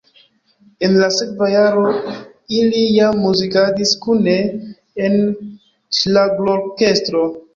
En la sekva jaro ili jam muzikadis kune en ŝlagrorkestro.